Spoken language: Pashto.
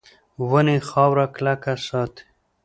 ونې خاوره کلکه ساتي.